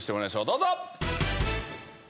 どうぞ！